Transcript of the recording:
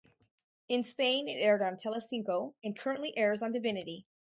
In Spain it aired on Telecinco and currently airs on Divinity.